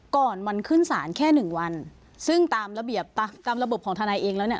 ก่อนวันขึ้นศาลแค่หนึ่งวันซึ่งตามระเบียบตามระบบของทนายเองแล้วเนี่ย